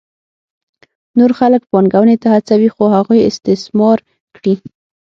نور خلک پانګونې ته هڅوي څو هغوی استثمار کړي